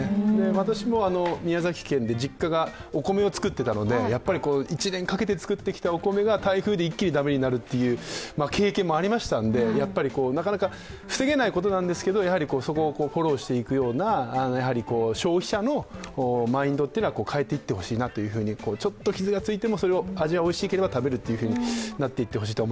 私も宮崎県で実家がお米を作っていたのでやっぱり一年かけて作ってきたお米が台風で一気に駄目になるという経験もありましたので、なかなか防げないことなんですけど、やはりそこをフォローしていくような消費者のマインドというのは変えていってほしいなと、ちょっと傷がついてしまっても、味は、食べればおいしいというふうに。